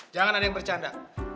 jangan ada yang bercanda